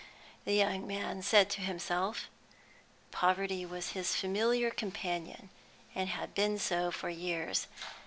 the young man said to himself. Poverty was his familiar companion, and had been so for years.